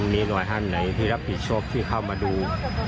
มีรับผิดชอบที่เข้ามาดู